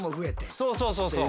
そうそうそうそう。